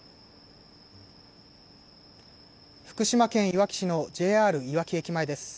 福島県いわき市のＪＲいわき駅前です。